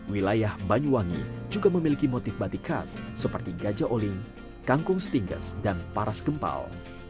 wilayah banyuwangi juga memiliki motif batik khas seperti gajah oling kangkung setingges dan paras kempal